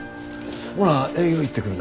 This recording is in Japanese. ほな営業行ってくるな。